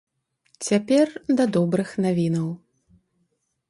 Цяпер да добрых навінаў.